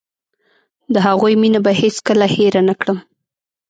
د هغوی مينه به هېڅ کله هېره نکړم.